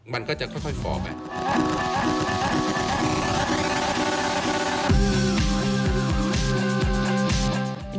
มันก็จะค่อยฟอร์ไป